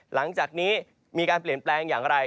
หลังจากนี้มีการเปลี่ยนแปลงอย่างไร